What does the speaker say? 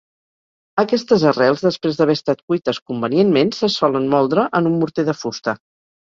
Aquestes arrels després d'haver estat cuites convenientment se solen moldre en un morter de fusta.